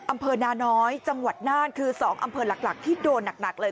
อำเภอนาน้อยจังหวัดน่านคือ๒อำเภอหลักที่โดนหนักเลย